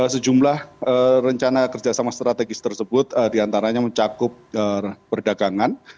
sejumlah rencana kerjasama strategis tersebut diantaranya mencakup perdagangan